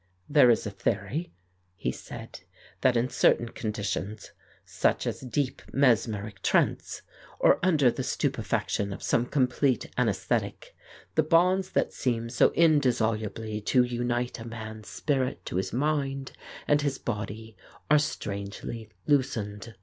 "There is a theory," he said, "that in certain conditions, such as deep mesmeric trance, or under the stupefaction of some complete anaesthetic, the bonds that seem so indissolubly to unite a man's spirit to his mind and his body are strangely loosened.